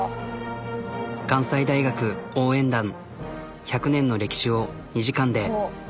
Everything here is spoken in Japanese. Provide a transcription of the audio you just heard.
関西大学応援団１００年の歴史を２時間で。